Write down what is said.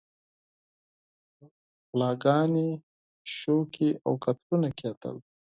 غلاګانې، شوکې او قتلونه کېدل.